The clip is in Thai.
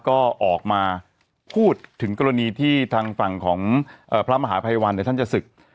ก็ออกมาพูดถึงกรณีที่ทางฝั่งของพระมหาภัยวันเนี่ยท่านจะศึก